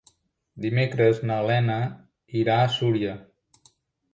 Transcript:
Dimecres na Lena irà a Súria.